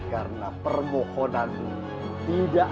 karena permohonanmu tidak bisa dihukum